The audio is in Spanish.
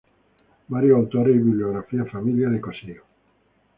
Varios autores y "Bibliografía Familia de Cossío".